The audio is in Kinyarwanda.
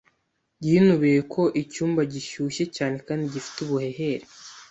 Yinubiye ko icyumba gishyushye cyane kandi gifite ubuhehere.